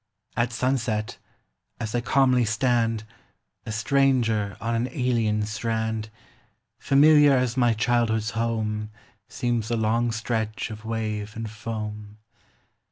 At sunset, as I calmly stand, A stranger on an alien strand, Familiar as my childhood's home Seems the long stretch of wave and foam.